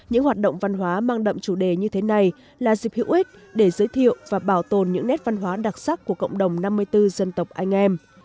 những hoạt động văn hóa mang đậm chủ đề như thế này là dịp hữu ích để giới thiệu và bảo tồn những nét văn hóa đặc sắc của cộng đồng năm mươi bốn dân tộc anh em